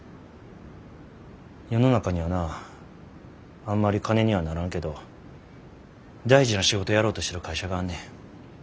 世の中にはなあんまり金にはならんけど大事な仕事やろうとしてる会社があんねん。